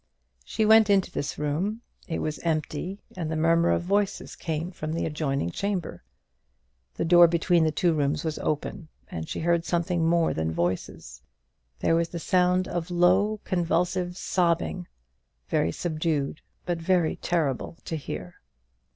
She went into this room. It was empty, and the murmur of voices came from the adjoining chamber. The door between the two rooms was open, and she heard something more than voices. There was the sound of low convulsive sobbing; very subdued, but very terrible to hear.